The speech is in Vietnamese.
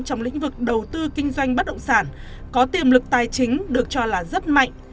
trong lĩnh vực đầu tư kinh doanh bất động sản có tiềm lực tài chính được cho là rất mạnh